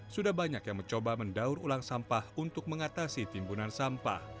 sudah banyak yang mencoba mendaur ulang sampah untuk mengatasi timbunan sampah